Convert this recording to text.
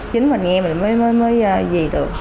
chính mình nghe mình mới gì được